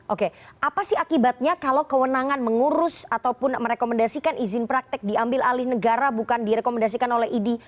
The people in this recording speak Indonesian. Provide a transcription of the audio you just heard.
oke apa sih akibatnya kalau kewenangan mengurus ataupun merekomendasikan izin praktek diambil alih negara bukan direkomendasikan oleh idi